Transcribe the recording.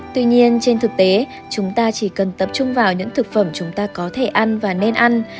tuy nhiên trên thực tế chúng ta chỉ cần tập trung vào những thực phẩm chúng ta có thể ăn và nên ăn